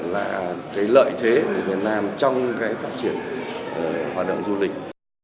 là cái lợi thế của việt nam trong cái phát triển hoạt động du lịch